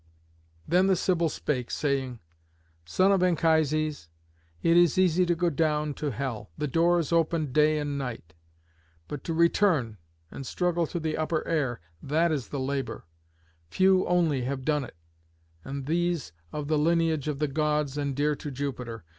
Then the Sibyl spake, saying, "Son of Anchises, it is easy to go down to hell. The door is open day and night. But to return, and struggle to the upper air, that is the labour. Few only have done it, and these of the lineage of the Gods and dear to Jupiter.